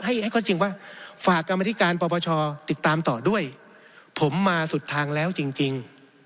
ให้ให้เขาจริงว่าฝากกรรมธิการปปชติดตามต่อด้วยผมมาสุดทางแล้วจริงจริง